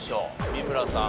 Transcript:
三村さん